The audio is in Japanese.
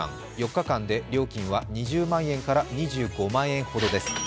４日間で料金は２０万円から２５万円ほどです。